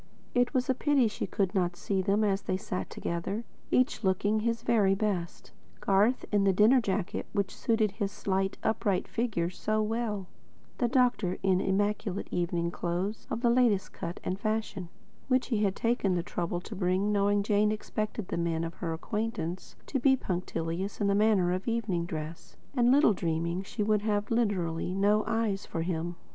It was a pity she could not see them as they sat together, each looking his very best, Garth in the dinner jacket which suited his slight upright figure so well; the doctor in immaculate evening clothes of the latest cut and fashion, which he had taken the trouble to bring, knowing Jane expected the men of her acquaintance to be punctilious in the matter of evening dress, and little dreaming she would have, literally, no eyes for him.